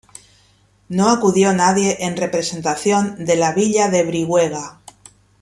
No acudió nadie en representación de la villa de Brihuega.